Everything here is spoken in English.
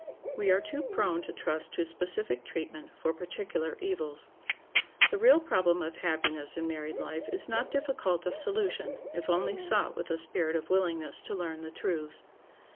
We are too prone to trust to specific treatment for particular evils. The real problem of happiness in married life is not difficult of solution if only sought with a spirit of willingness to learn the truths.